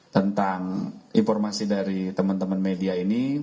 tentang informasi dari teman teman media ini